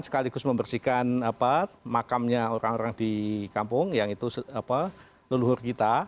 sekaligus membersihkan makamnya orang orang di kampung yang itu leluhur kita